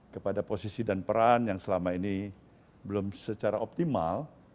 kepada posisi dan peran yang selama ini belum secara optimal